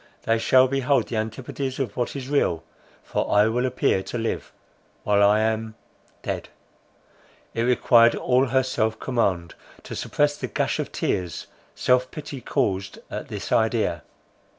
They shall behold the antipodes of what is real—for I will appear to live—while I am—dead." It required all her self command, to suppress the gush of tears self pity caused at this idea.